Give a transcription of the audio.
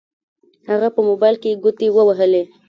هغه په موبايل کې ګوتې ووهلې.